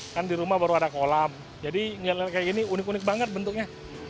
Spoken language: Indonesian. kan di rumah baru ada kolam jadi ngeliatnya kayak gini unik unik banget bentuknya